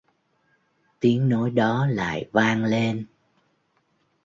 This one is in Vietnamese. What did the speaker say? Tiếng nói đó lại vang lên